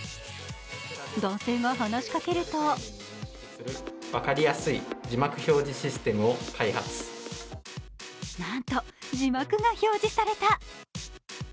男性が話しかけるとなんと、字幕が表示された。